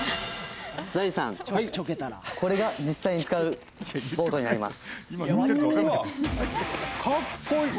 ＺＡＺＹさん、これが実際に使うボートになります。